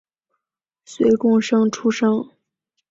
岁贡生出身。